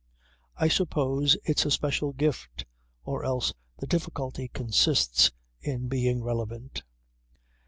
I suppose it's a special gift or else the difficulty consists in being relevant.